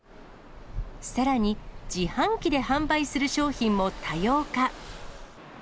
さらに、自販機で販売する商品も多様化。